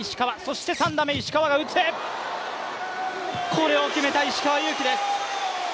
これを決めた石川祐希です。